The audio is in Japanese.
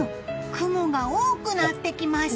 雲が多くなってきました。